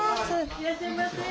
いらっしゃいませ。